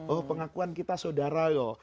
oh pengakuan kita saudara loh